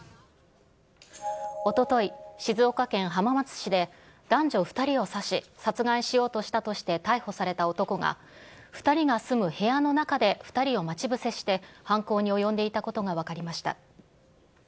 おととい、静岡県浜松市で、男女２人を刺し、殺害しようとしたとして逮捕された男が、２人が住む部屋の中で２人を待ち伏せして、犯行に及んでいたことが分かりました。